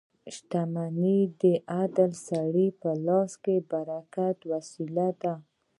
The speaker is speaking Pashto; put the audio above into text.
• شتمني د عادل سړي په لاس کې د برکت وسیله ده.